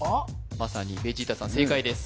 まさにベジータさん正解です